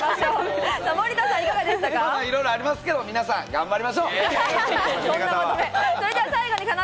いろいろありますけど、皆さん頑張りましょう。